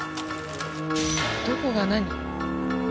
どこが何？